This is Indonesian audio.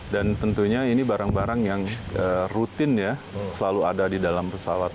dan tentunya ini barang barang yang rutin ya selalu ada di dalam pesawat